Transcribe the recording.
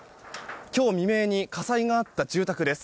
今日未明に火災があった住宅です。